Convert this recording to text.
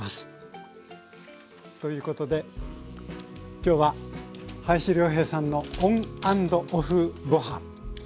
ということで今日は林亮平さんの「ＯＮ＆ＯＦＦごはん」。